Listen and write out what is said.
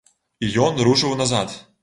І ён рушыў назад.